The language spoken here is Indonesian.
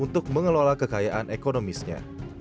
untuk mengelola kekayaan ekonomisnya